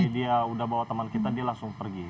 dia udah bawa teman kita dia langsung pergi